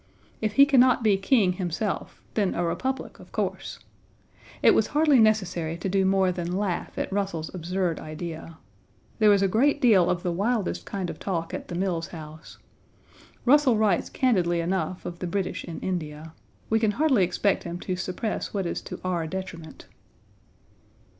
If he can not be king himself, then a republic, of course. It was hardly necessary to do more than laugh at Russell's absurd idea. There was a great deal of the wildest kind of talk at the Mills House. Russell writes candidly enough of the British in India. We can hardly expect him to suppress what is to our detriment.